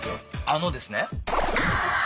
あのですね。